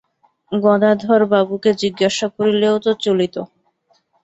গদাধরবাবুকে জিজ্ঞাসা করিলেও তো চলিত।